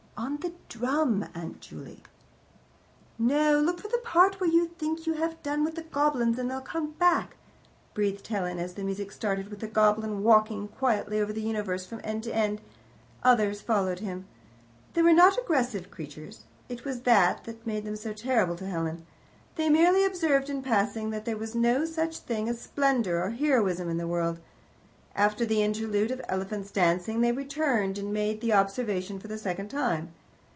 "On the DRUM, Aunt Juley." "No; look out for the part where you think you have done with the goblins and they come back," breathed Helen, as the music started with a goblin walking quietly over the universe, from end to end. Others followed him. They were not aggressive creatures; it was that that made them so terrible to Helen. They merely observed in passing that there was no such thing as splendour or heroism in the world. After the interlude of elephants dancing, they returned and made the observation for the second time.